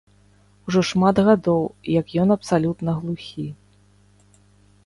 Ужо шмат гадоў, як ён абсалютна глухі.